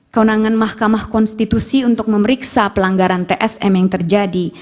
keunangan mahkamah konstitusi untuk memeriksa pelanggaran tsm yang terjadi